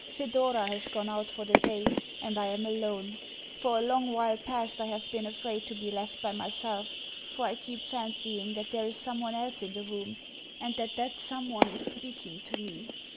Thedora has gone out for the day, and I am alone. For a long while past I have been afraid to be left by myself, for I keep fancying that there is someone else in the room, and that that someone is speaking to me.